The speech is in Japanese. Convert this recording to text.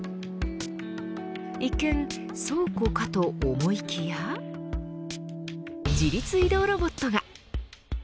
一見、倉庫かと思いきや自律移動ロボットが。